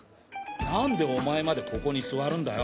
何でお前までここに座るんだよ。